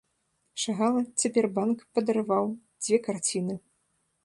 Шагала, цяпер банк падараваў дзве карціны.